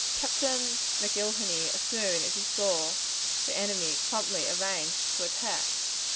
Captain McIlhenney, as soon as he saw the enemy, promptly arranged to attack.